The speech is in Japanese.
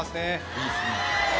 いいっすね。